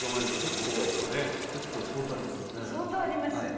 結構相当ありますよ。